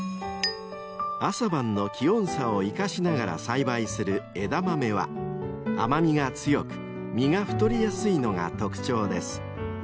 ［朝晩の気温差を生かしながら栽培するエダマメは甘みが強く実が太りやすいのが特徴です］